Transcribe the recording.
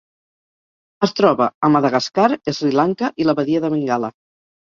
Es troba a Madagascar, Sri Lanka i la Badia de Bengala.